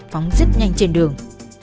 phóng rất nhanh trên đường